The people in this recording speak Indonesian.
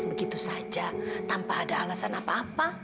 begitu saja tanpa ada alasan apa apa